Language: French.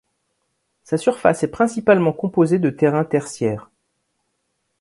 Sa surface est principalement composée de terrains tertiaires.